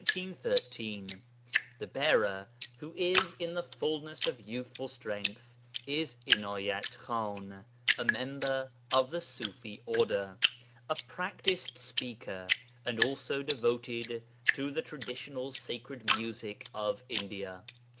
] The bearer, who is in the fulness of youthful strength, is Inayat Khan, a member of the Ṣufi Order, a practised speaker, and also devoted to the traditional sacred music of India.